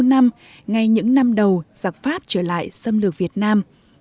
ngay những năm đầu giặc pháp trở lại xâm lược việt nam